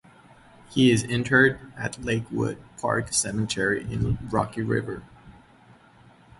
He is interred at Lakewood Park Cemetery in Rocky River.